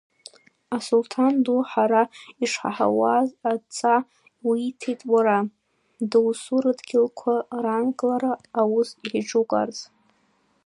Асулҭан ду ҳара ишҳаҳауаз адҵа уиҭеит уара, доусу рыдгьылқәа раанкылара аус еиҿукаарц.